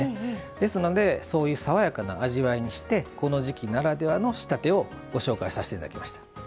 ですので、そういう爽やかな味わいにしてこの時季ならではの仕立てをご紹介させていただきました。